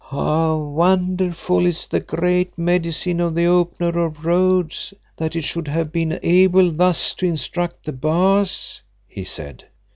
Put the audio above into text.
"How wonderful is the Great Medicine of the Opener of Roads, that it should have been able thus to instruct the Baas," he said.